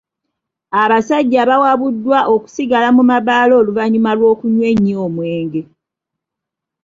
Abasajja bawabuddwa okusigala mu mabbaala oluvannyuma lw'okunywa ennyo omwenge.